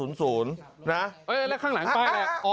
แล้วข้างหลังป้ายอะไร